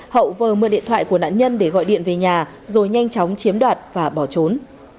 hậu vừa mua điện thoại của nạn nhân để gọi điện về nhà rồi nhanh chóng chiếm đoạt và bỏ trốn